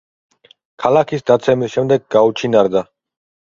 ქალაქის დაცემის შემდეგ გაუჩინარდა.